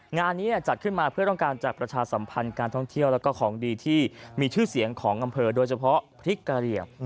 งานนี้จัดขึ้นมาเพื่อต้องการจัดประชาสัมพันธ์การท่องเที่ยวแล้วก็ของดีที่มีชื่อเสียงของอำเภอโดยเฉพาะพริกกะเหลี่ยง